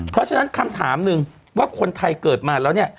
เพราะฉะนั้นคำถามหนึ่งว่าคนไทยเกิดมาแล้วเนี่ย